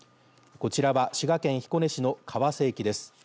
こちらは滋賀県彦根市の河瀬駅です。